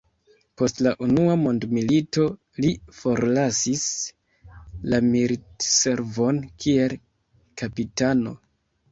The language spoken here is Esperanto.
Post la Unua Mondmilito li forlasis la militservon kiel kapitano.